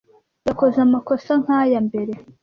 Yakoze amakosa nkaya mbere.